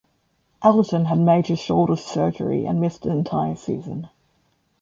Elarton had major shoulder surgery and missed the entire season.